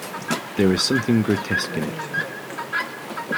There is something grotesque in it.